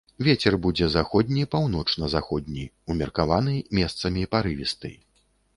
Вецер будзе заходні, паўночна-заходні, умеркаваны, месцамі парывісты.